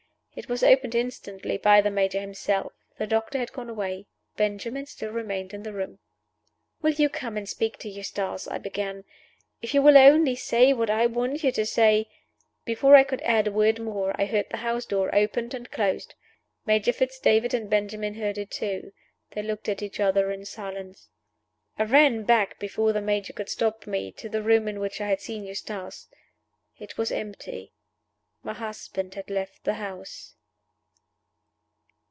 It was opened instantly by the Major himself. The doctor had gone away. Benjamin still remained in the room. "Will you come and speak to Eustace?" I began. "If you will only say what I want you to say " Before I could add a word more I heard the house door opened and closed. Major Fitz David and Benjamin heard it too. They looked at each other in silence. I ran back, before the Major could stop me, to the room in which I had seen Eustace. It was empty. My husband had left the house.